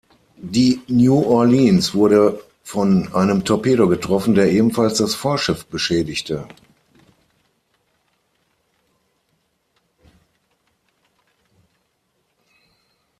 Die "New Orleans" wurde von einem Torpedo getroffen, der ebenfalls das Vorschiff beschädigte.